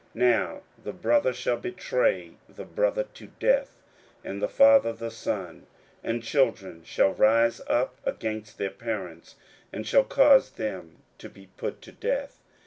41:013:012 Now the brother shall betray the brother to death, and the father the son; and children shall rise up against their parents, and shall cause them to be put to death.